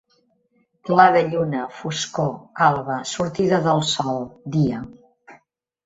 Clar de lluna, foscor, alba, sortida del sol, dia.